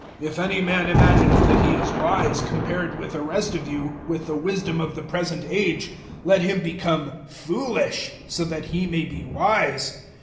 If any man imagines that he is wise, compared with the rest of you, with the wisdom of the present age, let him become "foolish" so that he may be wise.